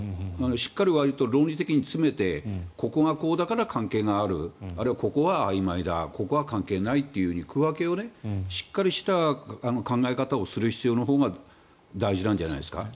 しっかり論理的に詰めてここがこうだから関係があるあるいはここはあいまいだここは関係ないっていうふうに区分けをしっかりした考え方をする必要のほうが大事なんじゃないですか。